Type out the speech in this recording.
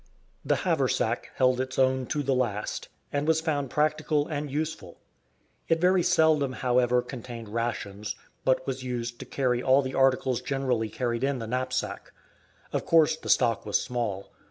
The haversack held its own to the last, and was found practical and useful. It very seldom, however, contained rations, but was used to carry all the articles generally carried in the knapsack; of course the stock was small.